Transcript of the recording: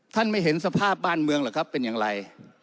ไม่เห็นสภาพบ้านเมืองหรอกครับเป็นอย่างไร